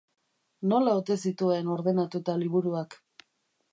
Nola ote zituen ordenatuta liburuak?